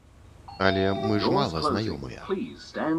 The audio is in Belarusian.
Але мы ж мала знаёмыя.